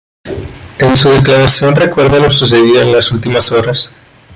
En su declaración recuerda lo sucedido en las últimas horas.